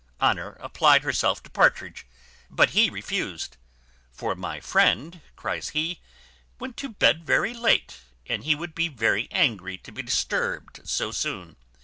Honour applied herself to Partridge; but he refused, "for my friend," cries he, "went to bed very late, and he would be very angry to be disturbed so soon."